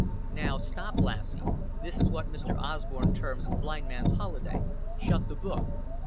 "Now stop, lassie. This is what Mr. Osborn terms blind man's holiday. Shut the book."